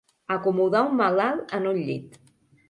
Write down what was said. Acomodar un malalt en un llit.